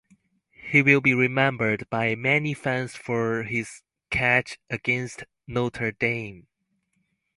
He will be remembered by many fans for his catch against Notre Dame.